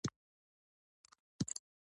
دوکان بوړۍ ځمکې هر څه.